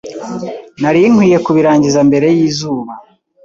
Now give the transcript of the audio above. Nari nkwiye kubirangiza mbere yizuba.